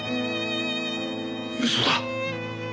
嘘だ。